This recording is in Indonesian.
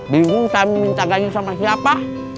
bingung kami minta gaji sama siapa